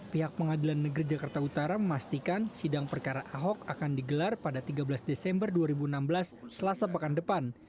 pihak pengadilan negeri jakarta utara memastikan sidang perkara ahok akan digelar pada tiga belas desember dua ribu enam belas selasa pekan depan